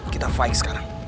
kita fight sekarang